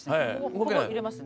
ここ入れますね。